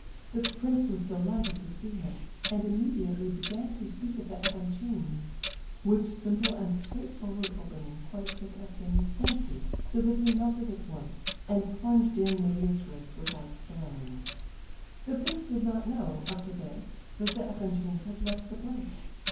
The prince was delighted to see him, and immediately began to speak of the Epanchins;—which simple and straightforward opening quite took Evgenie's fancy, so that he melted at once, and plunged in medias res without ceremony. The prince did not know, up to this, that the Epanchins had left the place.